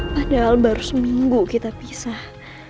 padahal baru seminggu kita pisah